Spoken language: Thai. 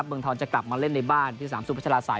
เบื้องธรรมจะกลับมาเล่นในบ้านที่สนามสุพธราษัย